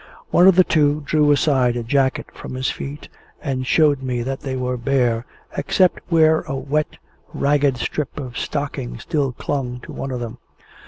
One of the two drew aside a jacket from his feet, and showed me that they were bare, except where a wet, ragged strip of stocking still clung to one of them.